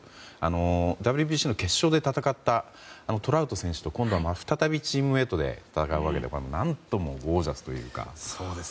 ＷＢＣの決勝で戦ったトラウト選手と今度は再びチームメートで戦うわけで何ともゴージャスというか。